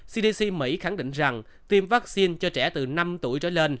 cdc mỹ khẳng định rằng tiêm vaccine cho trẻ từ năm tuổi trở lên